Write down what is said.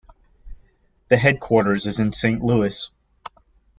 The headquarters is in Saint Louis.